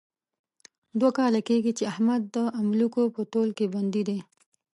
دوه کاله کېږي، چې احمد د املوکو په تول کې بندي دی.